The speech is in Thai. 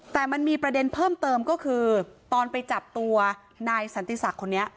แต่มันมีประเด็นเพิ่มเติมก็คือตอนไปจับตัวนายสันติศักดิ์คนนี้